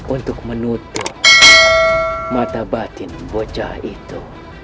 untuk menutup mata batin bocah itu